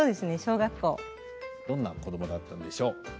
どんな子どもだったんでしょう。